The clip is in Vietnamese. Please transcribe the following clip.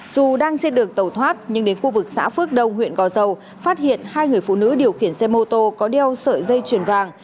dù đang trên đường tàu thoát nhưng đến khu vực xã phước đông huyện gò dầu phát hiện hai người phụ nữ điều khiển xe mô tô có đeo sợi dây chuyền vàng